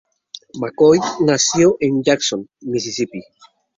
McCoy nació en Jackson, Mississippi.